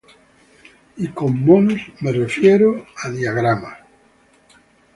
Y con “monos” me refiero a diagramas.